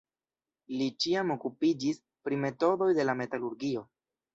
Li ĉiam okupiĝis pri metodoj de la metalurgio.